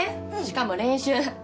しかも練習。